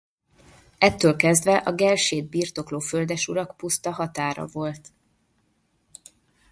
Ettől kezdve a Gelsét birtokló földesurak puszta határa volt.